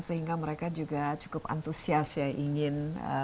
sehingga mereka juga cukup antusias ya ingin